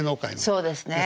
そうですね。